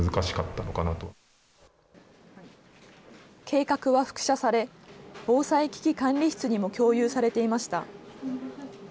計画は複写され、防災危機管理室にも共有されていました。